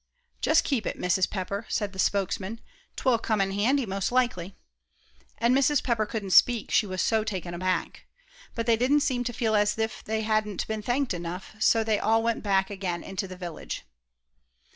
"Just keep it, Mrs. Pepper," said the spokesman, "'twill come in handy, most likely;" and Mrs. Pepper couldn't speak, she was so taken aback. But they didn't seem to feel as if they hadn't been thanked enough, as they all went back again into the village.